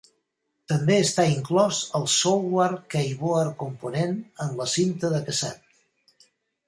També està inclòs el software Keyboard Component en la cinta de casset.